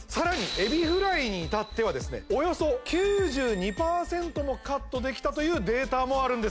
エビフライにいたってはですねおよそ９２％もカットできたというデータもあるんですよ